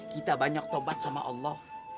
kita banyak tobat sama allah